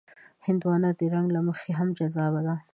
هندوانه د رنګ له مخې هم جذابه ده.